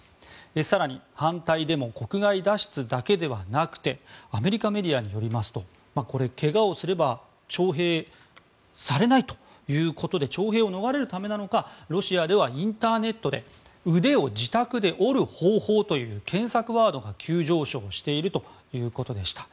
更に、反対デモ国外脱出だけではなくてアメリカメディアによりますとけがをすれば徴兵されないということで徴兵を逃れるためなのかロシアでは、インターネットで腕を自宅で折る方法という検索ワードが急上昇しているということでした。